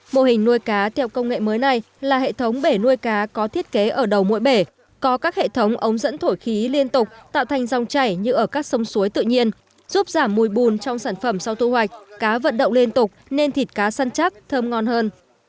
mô hình nuôi cá theo công nghệ mới này là hệ thống bể nuôi cá có thiết kế ở đầu mỗi bể có các hệ thống ống dẫn thổi khí liên tục tạo thành dòng chảy như ở các sông suối tự nhiên giúp giảm mùi bùn trong sản phẩm sau thu hoạch cá vận động liên tục nên thịt cá săn chắc thơm ngon hơn